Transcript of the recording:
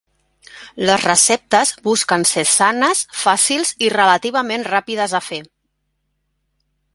Les receptes busquen ser sanes, fàcils i relativament ràpides a fer.